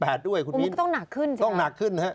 ต่ำกว่า๑๘ด้วยคุณวินมันก็ต้องหนักขึ้นใช่มะ